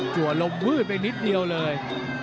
จัวลมวืดไปนิดเดียวเลย